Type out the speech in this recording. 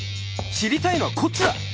知りたいのはこっちだ！